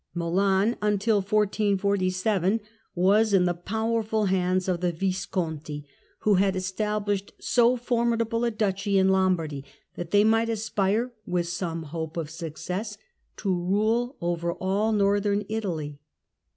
Milan until 1447 was in the powerful hands of the Milan Visconti, who had estabHshed so formidable a Duchy in Lombardy that they might aspire with some hope of success to rule over all Northern Italy.